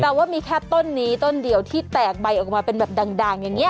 ว่ามีแค่ต้นนี้ต้นเดียวที่แตกใบออกมาเป็นแบบด่างอย่างนี้